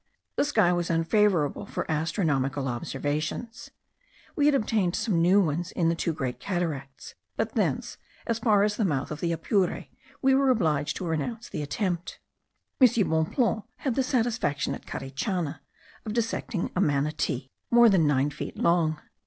The sky was unfavourable for astronomical observations; we had obtained some new ones in the two Great Cataracts; but thence, as far as the mouth of the Apure, we were obliged to renounce the attempt. M. Bonpland had the satisfaction at Carichana of dissecting a manatee more than nine feet long.